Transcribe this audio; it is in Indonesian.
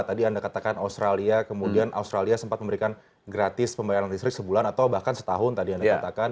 tadi anda katakan australia kemudian australia sempat memberikan gratis pembayaran listrik sebulan atau bahkan setahun tadi anda katakan